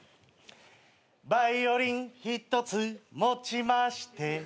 「バイオリン１つ持ちまして」